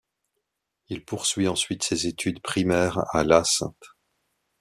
Il poursuit ensuite ses études primaires à la St.